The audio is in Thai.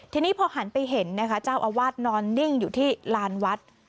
ทีนี้พอหันไปเห็นนะคะเจ้าอาวาสนอนนิ่งอยู่ที่ลานวัด